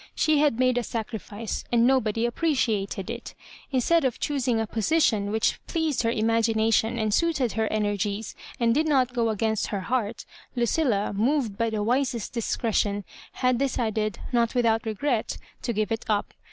She had made a sacrifice, and nobody appreciated it Instead of choosing a position which pleased her imagina tion, and suited her energies, and did not go against her heart, Lucilla, moved by the wisest discretion, had decided, not without regret, to ' give it up.